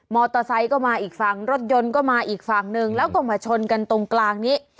อเตอร์ไซค์ก็มาอีกฝั่งรถยนต์ก็มาอีกฝั่งหนึ่งแล้วก็มาชนกันตรงกลางนี้